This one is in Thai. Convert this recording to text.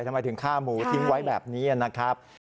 ทำไมถึงฆ่าหมูทิ้งไว้แบบนี้นะครับ